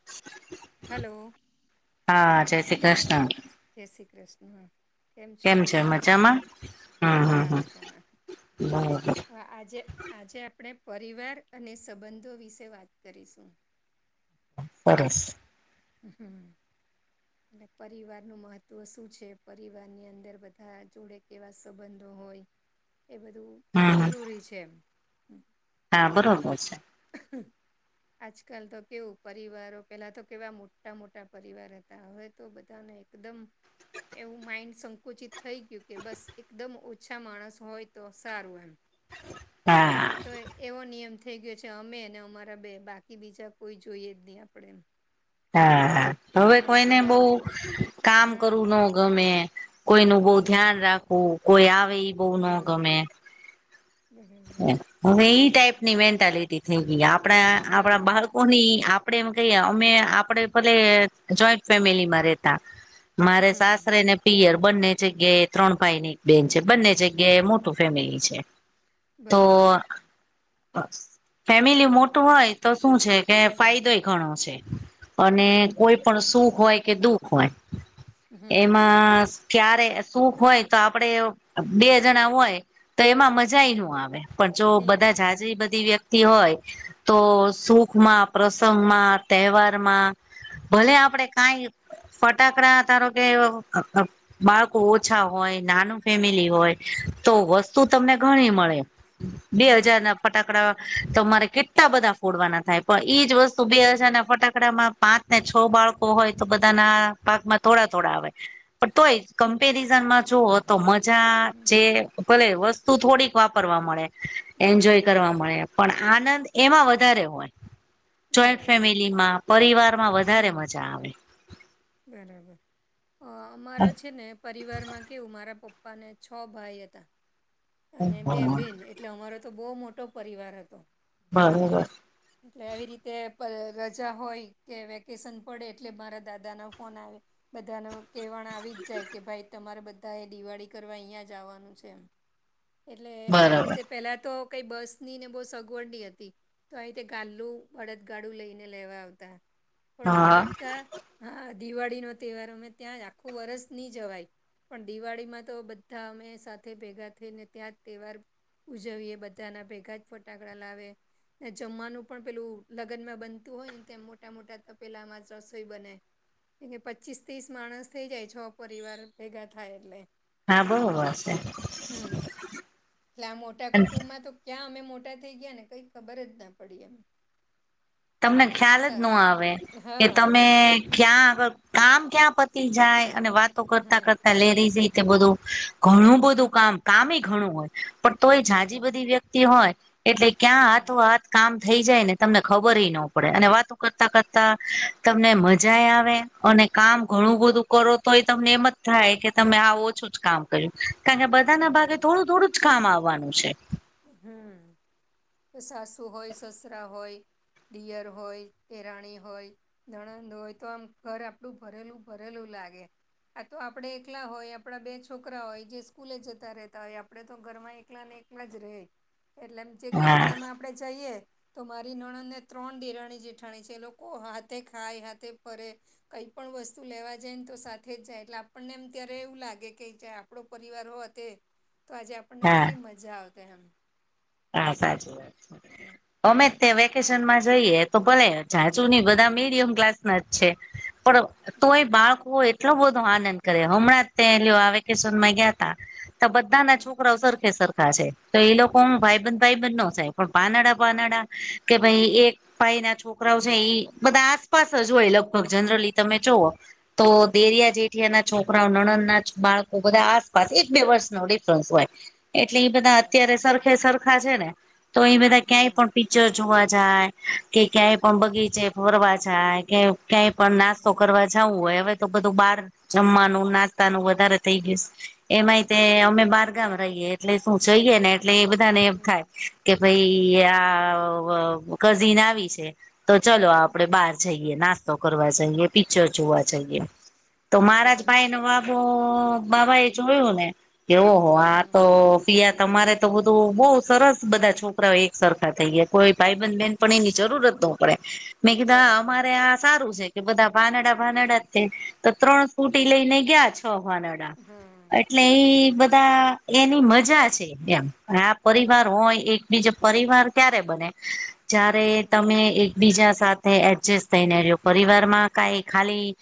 [inaudible] Hello હા, જય શ્રી કૃષ્ણ જય શ્રી કૃષ્ણ કેમ છે મજામાં હમ્મ હમ્મ હમ્મ મજામાં બરોબર હા આજે આજે આપણે પરિવાર અને સંબંધો વિશે વાત કરીશું સરસ હમ્મ એટલે પરિવારનું મહત્ત્વ શું છે પરિવારની અંદર બધા જોડે કેવા સંબંધો હોય, એ બધું હમ હમ જરૂરી છે એમ હા, બરાબર છે. આજકાલ તો કેવું પરિવારો પેલા તો કેવા મો મોટા મોટા પરિવાર હતા હવે તો બધાને એકદમ એવું માઇન્ડ સંકુચિત થઈ ગયું કે બસ એકદમ ઓછા માણસ હોય તો સારું એમ એટલે હા હવે તો એવો નિયમ થઈ ગયો છે અમે અને અમારા બે બાકી બીજા કોઈ જોઈએ જ નઈ આપણે એમ હા હવે એટલે કોઈને પેલા બોવ કામ હમ કરવું ન ગમે કોઈનું બોવ ધ્યાન બરાબર રાખવું કોઈ આવે એ બોવ ન હમ ગમે હવે ઈ ટાઈપની મેન્ટાલિટી થઈ ગઈ આપણે આપણા બા કોની આપડે એમ કહીએ અમે આપડે ભલે જોઈન્ટ ફેમિલીમાં રેતા મારે સાસરે ને પિયર બંને જગ્યાએ ત્રણ ભાઈ નીએક બેન છે બંને જગ્યાએ મોટું ફેમિલી છે. તો ફેમિલી મોટું હોય તો શું છે કે ફાયદોય ઘણો છે અને બરાબર કોઈ પણ સુખ હોય કે દુખ હોય હમ હમ બરાબર હમ એમાં ક્યારે સુખ હોય તો આપણે બે જણા હોય તો એમાં બરાબર હમ મજાઈ ન હમ આવે. પણ જો નહી બધા આવે હમ જાઝી બધી વ્યક્તિ હોય તો સુખમાં પ્રસંગમાં તહેવારમાં ભલે આપડે કાંઈ ફટાકડા ધારો કે બાળકો ઓછા હોય નાનું ફેમિલી હમ હોય તો વસ્તુ તમને ઘણી મળે. બે હજાર હમ ના ફટાકડા તમારે કેટલા બધા ફોડવાના થાય, પણ એજ વસ તો બે બરાબર હજારના ફટાકડામાં પાંચ ને છ બાળકો હોય તો બધાના ભાગમાં થોડા -થોડા આવે. પણ તોય કમ્પેરિઝનમાં જો તો મજા હમ જે ભલે વસ્તુ થોડીક વાપરવા મળે. હમ એન્જોય કરવા મળે પણ આનંદ એમાં વધારે હોય. જોઈન્ટ બરાબર ફેમિલીમાં, પરિવારમાં વધારે હમ મજા આવે. બરાબર, અમારો છે ને. પરિવાર માં કેવું મારા પપ્પા ને છ ભાઈ હતા. અને બે બેન, એટલે અમારો તો બહુ મોટો પરિવાર હતો. બરોબર. એટલે એવી રીતે રજા હોય કે વેકેશન પડે એટલે મારા દાદા ના ફોન આવે. બધાને કહેવાણ આવી જ જાય કે ભાઈ તમારે બધા એ દિવાળી કરવા અહિંયા જ આવાનું છે એમ. એટલે આવી બરોબર રીતે પેલા તો કઈ બસની ને બહુ સગવડ ની હતી. તો આવી રીતે ગાદલું બળદગાડું લઈને લેવા આવતા, પણ અમે હા બધા હા, દિવાળીનો તહેવાર અમે ત્યાં જ આખું વર્ષ નહી જવાય. પણ દિવાળી માં તો બધા અમે સાથે ભેગા થઈને ત્યાં જ તહેવાર ઉજવીએ. બધાના ભેગા જ ફટાકડા લાવે. ને જમવાનું પણ પેલું લગ્નમાં બનતું હોય ને તેમ મોટા -મોટા તપેલામાં જ રસોઈ બને. કેમકે પચીસ ત્રીસ માણસ થઇ જાય. છ પરિવાર ભેગા થાય એટલે. હા, બરોબર છે. હમ એટલે આ મોટા અને કુટુંબમાં તો ક્યાં અમે મોટા થઈ ગયા ને કંઈ ખબર જ ના પડી એમ. તમને ખ્યાલ અસ જ ન આવે કે હા તમે ક્યાં આગળ કામ ક્યાં પતી જાય અને વાતો કરતા- હા કરતા લેરીઝ જે રીતે બધું ઘણું બધું કામ કામ હોય. પણ તોય જાજી બરાબર બધી વ્યક્તિ હોય એટલે ક્યાં હા હાથો હાથ કામ થઈ જાય ને તમને ખબરેય ન પડે અને વાતો કરતા- કરતા તમને મજાય આવે. અને કામ ઘણું હમ બધું કરો તોય તમને એમ જ થાય કે તમે હાવ ઓછું જ કામ કારણ કે બધા ના ભાગે બરાબર થોડું -થોડું જ કામ આવવાનું છે. હમ, સાસુ હોય સસરા હોય. દિયર હોય દેરાણી હોય. નણંદ હોય તો આમ ઘર આપણું ભરેલું- ભરેલું લાગે. આ તો આપણે એકલા હોય આપણા બે છોકરા હોય જે સ્કૂલે જતા હોય આપણે તો ઘરમાં એકલા ને એક એમ જ રેય એટલે એમ જે હા ગામડામાં આપડે જઈએ તો મારી નણંદ ને ત્રણ દેરાણી જેઠાણી છેએ લોકો હાથે ખાય હાથે ફરે. કઈ પણ વસ્તુ લેવા જાય ને તો સાથે જ જાય એટલે આપણને એમ ત્યારે એવું લાગે કે આ આપણો પરિવાર હો તે તો આજે આપણને હા કેટલી મજા આવતે એમ. હા, સાચી વાત છે હમ અમે તે વેકેશનમાં જઈએ તો ભલે જાચુ નહી બધા હમ મીડિયમ ક્લાસ ના જ છે પણ બરાબર તોય બાળકો એ એટલો બધો આનંદ કરે, હમણાં જ ત આરયો વેકેશનમાં ગયા તા. તો બધા ના હમ છોકરાઓ સરખે સરખા છે તો એ લોકો ઓમ ભાઈ બંધ બરાબર ભાઈ બંધ નો જાય. પણ પાનડા -પાનાડા કે ભઈ એક ભાઈ ના છોકરાઓ છે એઈ બધા આસપાસ જ હોય લગભગ જનરલી તમે જોવો. તો હમ દેરિયા જેઠીયા ના છોકરાઓ નણદ ના જ બાળકો, બધા આસપાસ એક બે વર્ષનો ડિફરન્સ હોય. એટલે ઇ બધા બરાબર અત્યારે સરખે સરખા છે ને, તો ઇ બધા ક્યાંય હમ પણ [unintelligible] જોવા જાય, કે ક્યાંય પણ બગીચે ફરવા જાય કે ક્યાંય પણ હમ નાસ્તો કરવા જવું હોય હવે તો બધું બાર, જમ્માનું ન નાસ્તાનું વધારે થઇ ગયું સ. એમાંય તે અમે બરાબર બારગામ રહીએ એટલે શું, જઈએ ને એટલે એ બધા ને એમ થાય હમ કે ભઈ આ અ કઝિન આવી છે, તો ચલો આપડે હમ બહાર જઈ એ નાસ્તો કરવા જાઈએ, પિક્ચર જોવા જઈએ તો મારા જ ભાઈ બરાબર નો [unintelligible] તો બાબા એ જોયું ને, કે ઓહો આ હમ તો [unintelligible] તમારે તો બધું બઉ સરસ બધા છોકરાવ એક સરખા થઈ ગ્યા, કોઇ ભાઇબંધ બેનપણી ની જરૂર જ નો પડે. મેં કીધ આ, બરાબર અમારે આ સારું છે કે બધા ભાનડા ભાનડા જ હમ તે તો ત્રણ સ્કુટી લઈને ગ્યા, છ ભાનડા હમ એટલે ઇ, બધા, એની મજા છે, એમ, આ પરિવાર બરાબર હોય એક બીજો પરિવાર ક્યારે બને, જ્યારે હમ તમે એક બીજા સાથે એડજેસ્ટ થઈને ર્યો, પરિવારમાં કાઈ ખાલી,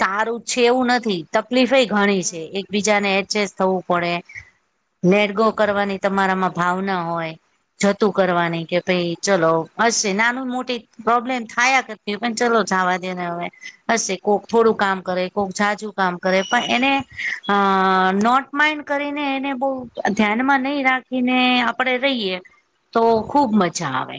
સારું છે એવું નથી. તકલીફેય ઘણી છે હમ એક બીજાને એડજેસ્ટ થવું પડે, [unintelligible] કરવાની તમારામાં ભાવના હો, જતું હમ કરવાની કે ભઈ ચલો, હશે, નાનું મોટી પ્રોબ્લેમ થાયા કરતી, પણ ચલો જાવા દેને હવે. હશે, કોક થોડું કામ કરે, કોઈક જાજુ કામ કરે, પણ એને અ નોટ માઈંડ કરીને એને બઉ, ધ્યાનમાં નહી [unintelligible] [unintelligible] આપડે રઇએ, તો ખુબ મજા આવે.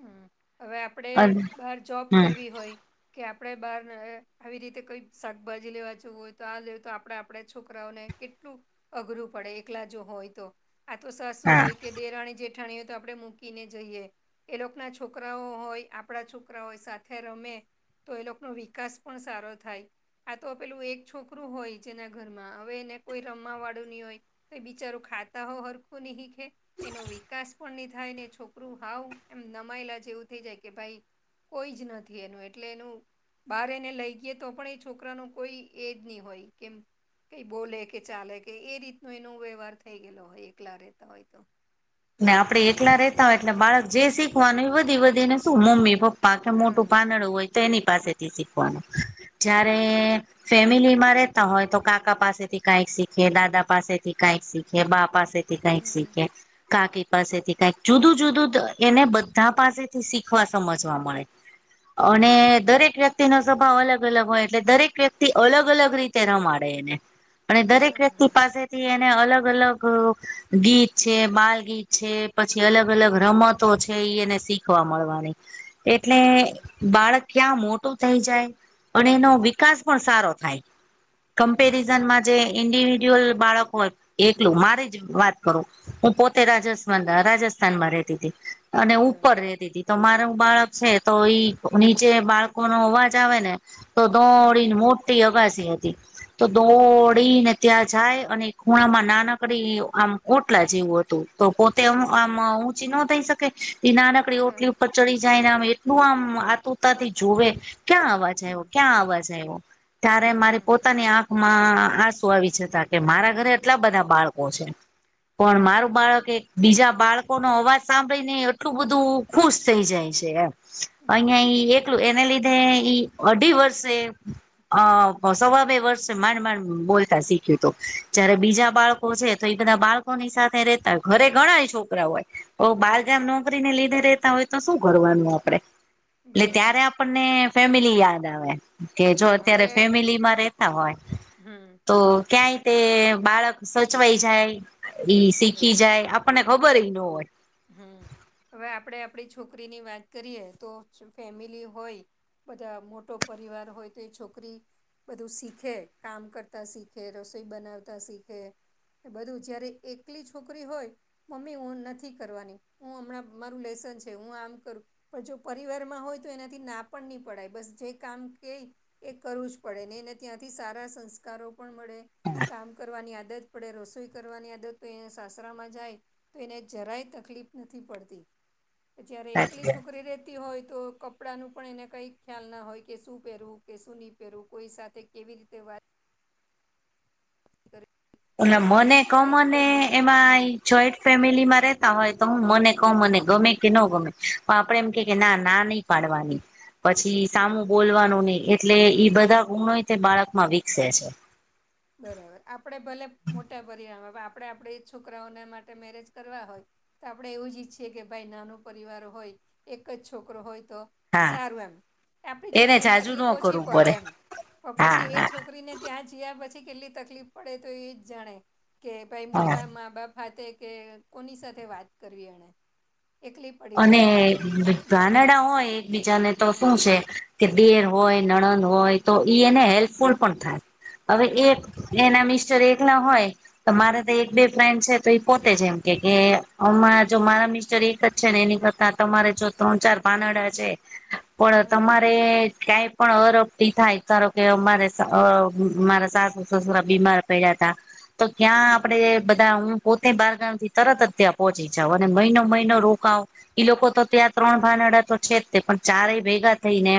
હમ, હવે આપડે, અને બાર જોબ હમ કરવી હોય કે આપડે બાર, આવી રીતે કોઈ શાકભાજી લેવા જવું હોય તો આ લે તો આપડે આપડે છોકરાઓને કેટલું, અઘરું પડે એકલા જો હોય તો. આ તો હા સાસું હોય કે દેરાણી જેઠાણી, તો આપણે મૂકીને જઈએ. એલોકના છોકરાઓ, હોય આપડા છોકરા હોય, સાથે રમે તો એ લોકનો વિકાસ પણ સારો થાય. આ તો પેલું એક છોકરું હોય જેના ઘરમાં, હવે એને કોઈ રમ્માવાડુ ની હોય તો ઇ બિચારું ખાતા હો હરખું ની હીખે, એનો વિકાસ પણ ની થાયને, ને છોકરું હાવ એમ નમાયલા જેવુ થઈ જાય કે ભાઈ, કોઈ જ નથી એનું એટલે એનું બાર એને લઈ [unintelligible] તો પણ એ છોકરાનો કોઈ, એજ ની હોય, કેમ? કઈ બોલે કે ચાલે કે એ રીતનો એનો વ્યવહાર થઈ ગેલો હોય એકલા રહેતા હોય તો. ને આપડે એકલા રહેેતા હોય એટલે હમ બાળક જે શીખવાનું એ વધી વધી ને શું, મમ્મી [inaudible] [unintelligible] મોટું હા પાંદડું હોય તો એની પાસેથી શીખવાનું, જ્યારે બરાબર ફેમિલી માં રેતા હોય તો કાકા પાસેથી કાઈક શીખીયે, દાદા પાસેથી કાઈક. [inaudible] કે બા પાસેથી કાઈક હમ શીખયે. કાકી પાસેથી કાંઇક, જુદું જુદું ત, એને બધા પાસેથી શીખવા સમજવા મળે. [inaudible] અને, બરાબર દરેક [unintelligible] [unintelligible] નો સ્વભાવ અલગ અલગ હોય એટલે દરેક વ્યક્તિ અલગ અલગ રીતે રમાડે એને. અને દરેક વ્યક્તિ બરાબર પાસેથી એને અલગ અલગ, ગીત છે બાલ ગીત છે, પછી અલગ અલગ રમતો છે ઈ એને શીખવા મળવાની. એટલે, હમ બાળક ક્યાં મોટું થઈ જાય, અને એનો વિકાસ પણ સારો થાય. બરાબર કમ્પેરિઝનમાં જે ઇન્ડિવિજ્યુઅલ બાળકો હોય એકલું મારી જ વાત કરું હું પો તે રાજસ્થાન રાજસ્થાનમાં રહેતી હતી અને ઉપર બરાબર રતી હતી. તો મારું બાળક છે ઈ નીચે બાળકોનો અવાજ આવે ને. તો હમ દોડીને મોટી અગાસી હતી તો હમ દોડીને. ત્યાં જાય અને ખૂણામાં નાનકડી આમ ઓટલા જેવું હતું. તો પોતે હમ આમ ઊંચી ન થઈ શકે એ નાનકડી હા ઓટલી. કચડી જાય ને આમ એટલું આમ આતુરતાથી જોવે ક્યાં અવાજ એ જ ને. ક્યાં અવાજ આવ્યો ત્યારે મારી હમ પોતાની આંખ માં આસુ આવી જતા કે મારા ઘરે એટલા બધા બાળકો છે. પણ મારું બરાબર બાળક કે બીજા બાળકો નો અવાજ સાંભળી ને એટલું બધું ખુશ થઈ જાય છે. એમ અહિયાં હમ ઈ એકલું એને લીધે ઈ અઢી વર્ષે અ સવા બે વર્ષ માંડ માંડ બોલતા શીખ્યું તું જ્યારે બીજા બાળકો છે તો એ બધા બાળકોની સાથે રેતા હોય ઘરે ઘણા છોકરા હોય તો હમ બાલજામ ન ને લીધે રતા હોય તો શું કરવાનું આપડે એટલે ત્યારે બરાબર આપને ફેમિલી યાદ આવે. કે જો હા, અત્યારે હવે ફેમિલી માં રેતા હોય હમ તો. ક્યાંય તે બાળક સચવાઈ જાય ઈ શીખે આપણને ખબર રય નો હોય. હમ્મ, હવે આપડે આપડી છોકરીની વાત કરીએ તો ફેમિલી હોય. બધા મોટો પરિવાર હોય તો એ છોકરી બધું શીખે કામ કરતા શીખે રસોઈ બનાવતા શીખે એ બધું જયારે એકલી છોકરી હોય મમ્મી હુ નથી કરવાની હું હમણાં મારું લેસન છે હું આમ કરું પણ જો પરિવારમાં હોય તો એનાથી ના પણ નહી પડાય બસ જે કામ કેય એ કરવું જ પડે ને એને ત્યાંથી સારા સંસ્કારો પણ મળે કામ કરવાની આદત પડે રસોઈ કરવાની આદત તો એને સાસરામાં જાય તો એને જરાય તકલીફ નથી પડતી જય્યારે એકલી સાચી વાત. છોકરી રે તી હોય તો કપડાંનું પણ એને કંઈ ખ્યાલ ના હોય કે શું પહેરવું કે શું ની પહેરવું કોઈ સાથે કેવી રીતે વાત કરવી. અને વસ્તુ મને કંઈ જ કમને ખબર નહીં પડે એમાંય હમ જોઈન્ટ ફેમિલીમાં રેતા હોય તો હું મને કહો હા મને ગમે કે નો ગમે પણ આપડે એમ કે કે ના ના નહી પાડવાની પછી સામું બરાબર બોલવાનું નહી એટલે ઈ બધા ગુણો ય તે બાળક માં વિકસે છે. બરાબર આપડે ભલે મોટા પરિવારમાં આપડે આપણે છોકરાઓને માટે મેરેજ કરવા હોય. તો આપણે એવું જ ઈચ્છીએ કે ભાઈ નાનો પરિવાર હોય એક જ છોકરો હોય તો હા સારું એમ આપણી એને છોકરીની જાજુ તકલીફ ન ઓછી કરવું પડે એમ પણ હા પછી એ હા છોકરીને ત્યાં જયા પછી કેટલી તકલીફ પડે તો એ જ જાણે કે ભાઈ હા મોટા મા-બાપ હાતે કે કોની સાથે વાત કરવી એણે એકલી પડી અને જાય કે ભાઈ હમ ધાનેડા હોય એકબીજાને તો શું હમ છે. કે દીયર હોય નણંદ હોય તો ઈ એને હેલ્પફુલ પણ થાય. હવે હા એક એના મિસ્ટર એક ના હોય તો મારે તો એક બે હમ ફ્રેન્ડ છે તો એ પોતે જે એમ કે કે હમાં જો મારા મિસ્ટર એક જ છે ને એની કરતા તમારે જો ત્રણ ચાર ભાનેડા છે પણ હમ તમારે કઈ પણ અરપટી થાય ધારો કે અમારે અહ મારા સાસુ સસુરા બીમાર પડ્યા હતા તો ત્યાં આપડે હમ બધા હું પોતે બારગામથી તરત જ ત્યાં પહોંચી જાઉં અને મહિનો-મહિનો રો કાઉ ઈ લોકો તો ત્યાં ત્રણ ભાનેડા તો છે જ તે પણ ચારેય ભેગા થઈને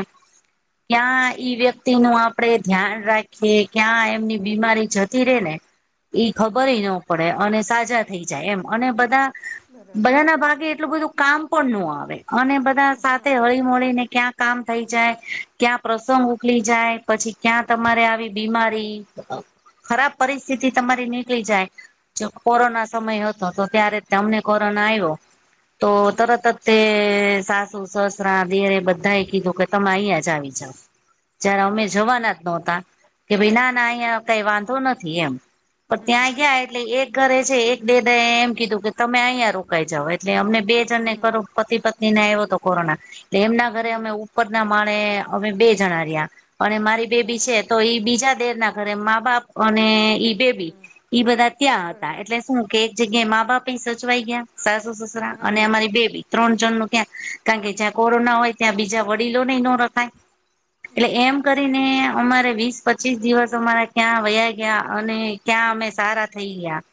ત્યાં ઈ વ્યક્તિ નું આપડે ધ્યાન રાખીએ ક્યાં એમની બીમારી જતી રે ને. [inaudible] એ ખબરેય નો હમ પડે અને સાજા થઈ જાય એમ અને બધા બરાબર બધાના ભાગે એટલું બધું કામ પણ નો આવે અને બધા હમ સાથે હળી મળીને ક્યાં કામ થઈ જાય, ક્યાં પ્રસંગ ઉકલી જાય, પછી ક્યાં તમારે આવી બીમારી. ખરાબ પરિસ્થિતિ તમારી નીકળી જાય. જેમ કોરોના સમય હતો તો ત્યારે તમને કોરોના આવ્યો તો હમ તરત જ તે સાસુ સસરા બેરે બધાએ કીધું કે તમે અહીંયા જ આવી જાવ. જય્યારે અમે બરાબર. જવાના જ નો હતા કે ભઈ નાના અહિંયા કઈ વાંધો નથી એમ. પણ ત્યાં હમ્મ, ગયા એટલે એક ઘરે છે એક દેદા એ એમ કીધું કે તમે અહીંયા રોકાઈ જાવ એટલે અમને હમ્મ, [unintelligible] પતિ પત્ની ને આયવો હતો કોરોના તો એમના ઘરે અમે હમ્મ, ઉપર ના માણે અમે બે જણા રહ્યા અને મારી બેબી બરાબર, છે તો ઈ બીજા દેર ના ઘરે મા બાપ અને ઈ બેબી હમ્મ, ઈ બધા ત્યાં હતા. બરાબર, એટલે શું કે એક જગ્યાએ મા બાપ એ સચવાઈ ગયા સાસુ સસરા અને હા, અમારી બેબી. ત્રણ જણ નું ત્યાં કારણ કે જ્યાં કોરોના હોય ત્યાં બીજા વડીલો નેય નો રખાય. એટલે એમ બરાબર, કરીને અમારે વીસ પચીસ દિવસ અમારે ક્યાં વયા ગિયા અને ક્યાં અમે હમ્મ. સારા થઈ ગિયા.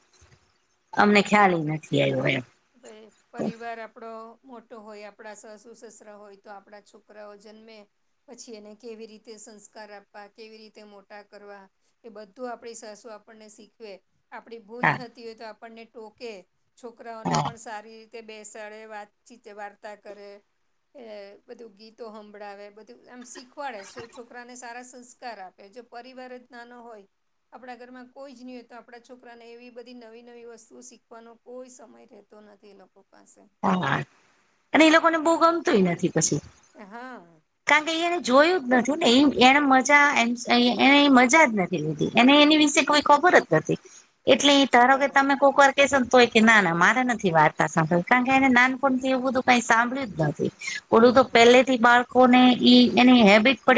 અમને ખ્યાલ એ નથી આવ્યો એમ. હવે પરિવાર આપણો મોટો હોય, આપણા સાસુ સસરા હોય તો આપણા છોકરાઓ જન્મે પછી એને કેવી રીતે સંસ્કાર આપવા કેવી રીતે મોટા કરવા એ બધું આપણી સાસુ આપણને શીખવે. આપણી ભૂલ હા થતી હોય તો આપણને ટોકે, છોકરાઓને હા પણ સારી તે બેસાડે, વાતચીત વાર્તા કરે. એ બધું ગીતો હંભળાવે, બધું એમ શીખવાડે છોકરાને સારા સંસ્કાર આપ કે જો પરિવાર જ નાનો હોય આપણા ઘરમાં કોઈ જ નહીં હોય તો આપણા છોકરાને એવી બધી નવી-નવી વસ્તુઓ શીખવાનો કોઈ સમય રહે તો નથી એ લોકો પાસે. હા અને એ લોકોને બહુ ગમતુંય નથી પછી. હા. કારણ કે એ એને જોયું જ નથી ને એ એને મજા એ એને મજા જ નથી. એને એની કોઈ ખબર જ નથી એટલે ધારો કે તમે બરાબર કોક વાર હોય કે ના-ના મારે નથી વાર્તા સાંભળ કારણ કે એને નાનપણ થી એવું બધું કઈ સાંભળ્યું જ નથી. ઓલું તો હમ પહેલેથી બાળકો ને ઈ એની હેબિટ પડી